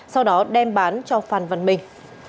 sau đó đem bán cho phan văn minh